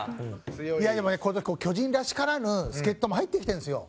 いやでもね今年巨人らしからぬ助っ人も入ってきてるんですよ。